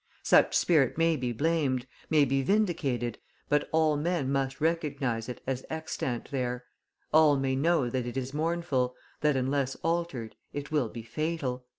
Such spirit may be blamed, may be vindicated, but all men must recognise it as extant there, all may know that it is mournful, that unless altered it will be fatal."